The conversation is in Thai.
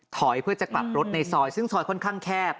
ถอยเพื่อจะกลับรถในซอยซึ่งซอยค่อนข้างแคบ